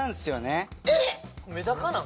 メダカなん？